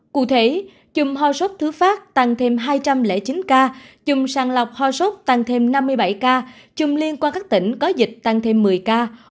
cụ thể chùm hòa sốt thứ pháp tăng thêm hai trăm linh chín ca chùm sàng lọc hòa sốt tăng thêm năm mươi bảy ca chùm liên quan các tỉnh có dịch tăng thêm một mươi ca